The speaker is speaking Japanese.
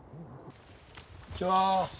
こんにちは。